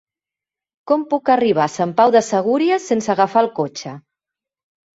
Com puc arribar a Sant Pau de Segúries sense agafar el cotxe?